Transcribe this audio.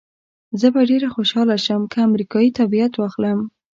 زه به ډېره خوشحاله شم که امریکایي تابعیت واخلم.